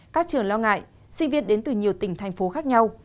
các trường lo ngại sinh viên đến từ nhiều tỉnh thành phố khác nhau